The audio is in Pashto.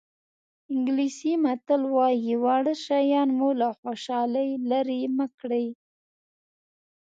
انګلیسي متل وایي واړه شیان مو له خوشحالۍ لرې مه کړي.